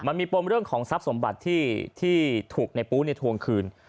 มันมีปมเรื่องของทรัพย์สมบัติที่ถูกในปู๊ทวงคืน